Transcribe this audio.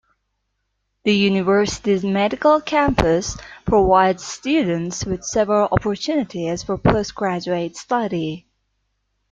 The university's medical campus provides students with several opportunities for postgraduate study.